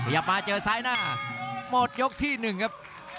อย่ามาเจอสายหน้าหมดยกที่๑ครับ